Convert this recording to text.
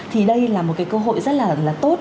thì đây là một cái cơ hội rất là tốt